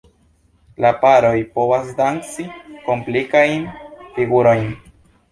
La paroj povas danci komplikajn figurojn.